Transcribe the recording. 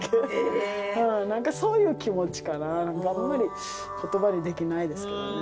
なんかそういう気持ちかな、あんまりことばにできないですけどね。